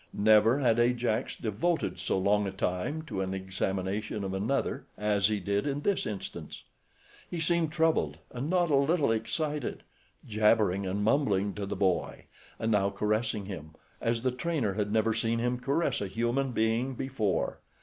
Never had Ajax devoted so long a time to an examination of another as he did in this instance. He seemed troubled and not a little excited, jabbering and mumbling to the boy, and now caressing him, as the trainer had never seen him caress a human being before.